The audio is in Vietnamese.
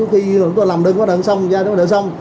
khi chúng tôi làm đơn qua đợt xong ra đợt xong